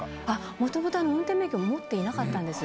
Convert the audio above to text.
もともと運転免許、持っていなかったんです。